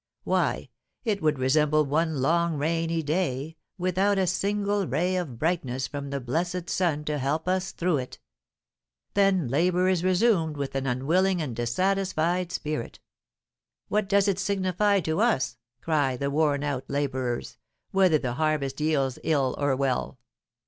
Why, it would resemble one long rainy day, without a single ray of brightness from the blessed sun to help us through it. Then labour is resumed with an unwilling and dissatisfied spirit. "What does it signify to us," cry the worn out labourers, "whether the harvest yields ill or well?